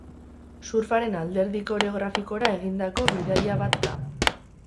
Surfaren alderdi koreografikora egindako bidaia bat da.